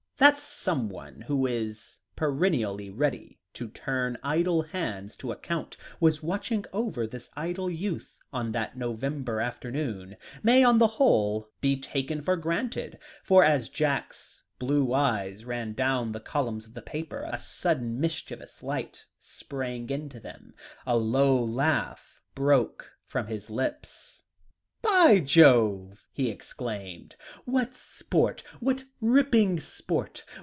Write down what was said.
That someone who is perennially ready to turn idle hands to account, was watching over this idle youth on that November afternoon, may, on the whole, be taken for granted, for as Jack's blue eyes ran down the columns of the paper, a sudden mischievous light sprang into them, a low laugh broke from his lips. "By Jove!" he exclaimed. "What sport, what ripping sport.